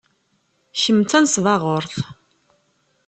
Kemm d tanesbaɣurt.